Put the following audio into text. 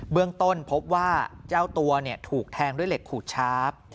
เรื่องต้นพบว่าเจ้าตัวถูกแทงด้วยเหล็กขูดชาร์ฟ